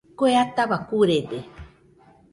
Kue ataua kurede.